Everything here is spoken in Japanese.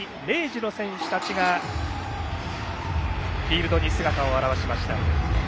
明治の選手たちがフィールドに姿を現しました。